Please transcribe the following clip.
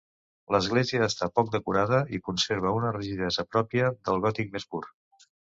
L'església està poc decorada i conserva una rigidesa pròpia del gòtic més pur.